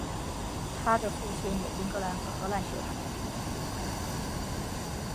她的父亲有英格兰和荷兰血统。